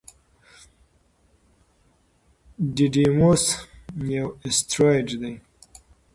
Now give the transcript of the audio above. ډیډیموس یو اسټروېډ دی.